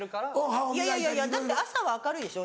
いやいやいやだって朝は明るいでしょ？